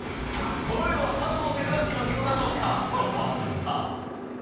この世は佐藤輝明の世なのかとバズった。